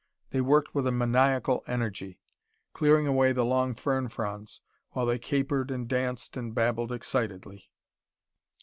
They worked with a maniacal energy, clearing away the long fern fronds while they capered and danced and babbled excitedly.